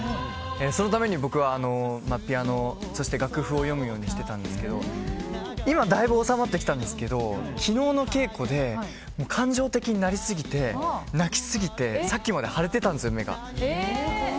そのために僕はピアノ、そして楽譜読むようにしてたんですけど今、大分おさまってきたんですけど昨日のけいこで感情的になりすぎて、泣きすぎてさっきまで腫れてたんです、目が。